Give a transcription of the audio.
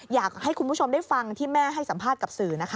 อยากให้คุณผู้ชมได้ฟังที่แม่ให้สัมภาษณ์กับสื่อนะคะ